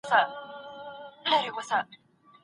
دا کمال ستا د جمال دی